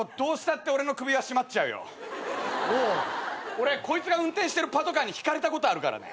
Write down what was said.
俺こいつが運転してるパトカーにひかれたことあるからね。